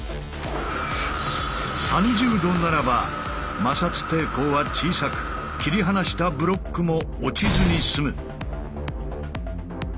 ３０°ならば摩擦抵抗は小さく切り離したブロックも落ちずに済む。